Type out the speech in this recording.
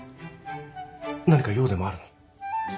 何か用でもあるの？